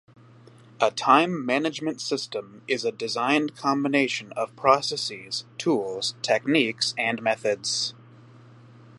A time management system is a designed combination of processes, tools, techniques, and methods.